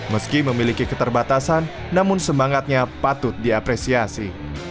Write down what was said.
meski memiliki keterbatasan namun semangatnya patut diapresiasi